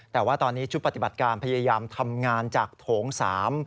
แต่ว่าตอนนี้ชุดปฏิบัติการพยายามทำงานจากโถงสาม